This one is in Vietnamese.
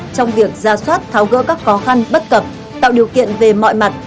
trong việc ra soát tháo gỡ các khó khăn bất cập tạo điều kiện về mọi mặt